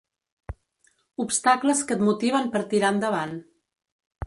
Obstacles que et motiven per tirar endavant.